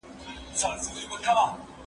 زه لوبه کړې ده!!